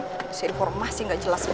masih informasi gak jelas bang